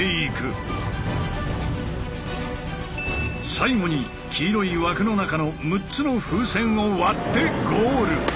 最後に黄色い枠の中の６つの風船を割ってゴール。